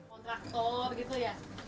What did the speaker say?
kontraktor gitu ya